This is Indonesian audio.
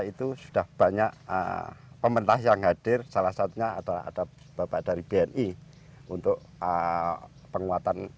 itu sudah banyak pementah yang hadir salah satunya adalah ada bapak dari bni untuk penguatan